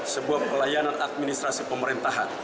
sebuah pelayanan administrasi pemerintahan